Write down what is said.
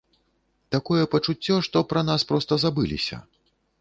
Такое пачуццё, што пра нас проста забыліся!